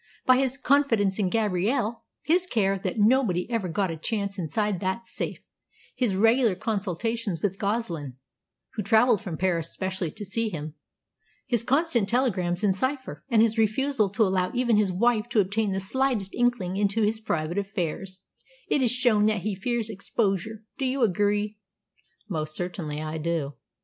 By his confidence in Gabrielle, his care that nobody ever got a chance inside that safe, his regular consultations with Goslin (who travelled from Paris specially to see him), his constant telegrams in cipher, and his refusal to allow even his wife to obtain the slightest inkling into his private affairs, it is shown that he fears exposure. Do you agree?" "Most certainly I do."